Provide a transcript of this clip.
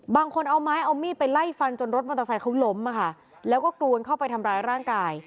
บางคนเอาไม้เอามีดไปไล่ฟันจนรถมอเตอร์ไซค์เขาล้มค่ะแล้วก็กรวนเข้าไปทำร้ายร่างกาย